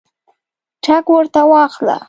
ټګ ورته واخله.